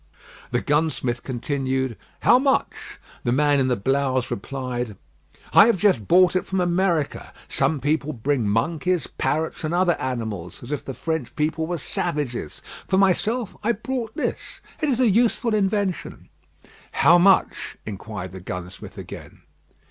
The gunsmith continued "How much?" The man in the blouse replied "I have just brought it from America. Some people bring monkeys, parrots, and other animals, as if the French people were savages. For myself I brought this. It is a useful invention." "How much?" inquired the gunsmith again.